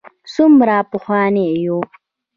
څومره پخواني یو.